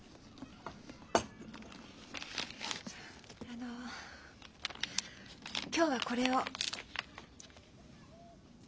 あの今日はこれを。